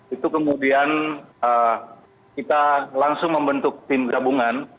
itu kemudian kita langsung membentuk tim gabungan